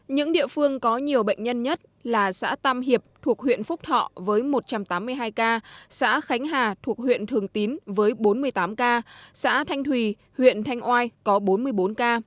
những địa phương có nhiều bệnh nhân nhất là xã tam hiệp thuộc huyện phúc thọ với một trăm tám mươi hai ca xã khánh hà thuộc huyện thường tín với bốn mươi tám ca xã thanh thùy huyện thanh oai có bốn mươi bốn ca